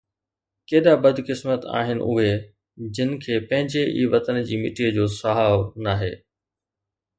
ڪيڏا بدقسمت آهن اُهي جن کي پنهنجي ئي وطن جي مٽيءَ جو سُهاءُ ناهي